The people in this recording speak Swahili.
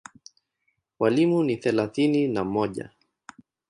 Walimu ni thelathini na mmoja.